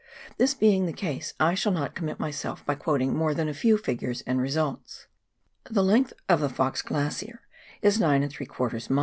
This being the case I shall not commit myself by quoting more than a few figures and results. The length of the Fox Glacier is ♦ "New Zealand Alpine Journal," vol.